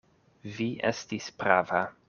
Vi estis prava.